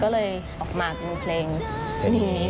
ก็เลยออกมาเป็นเพลงนี้